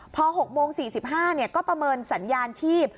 พอ๖โมง๔๕ก็ประเมินสัญญาณชีพ